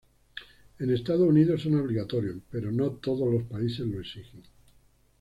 En Estados Unidos son obligatorios, pero no todos los países los exigen.